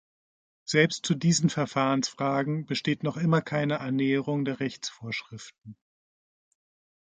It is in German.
Selbst zu diesen Verfahrensfragen besteht noch immer keine Annäherung der Rechtsvorschriften.